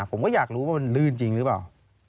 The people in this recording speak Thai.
ผมก็อยากรู้ว่ามันลื่นจริงหรือเปล่า